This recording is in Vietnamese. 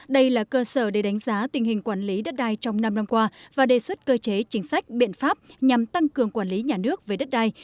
đây là cơ sở để đánh giá tình hình quản lý đất đai trong năm năm qua và đề xuất cơ chế chính sách biện pháp nhằm tăng cường quản lý nhà nước về đất đai